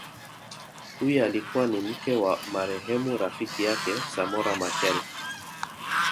Huyu alikuwa ni mke wa marehemu rafiki yake Samora Machel